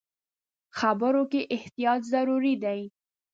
خبرو کې احتیاط ضروري دی.